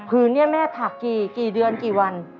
ผืนนี้แม่ถักกี่เกี่ยวกี่เดือนกี่วัน